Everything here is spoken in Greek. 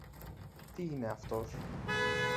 Τι είναι αυτός;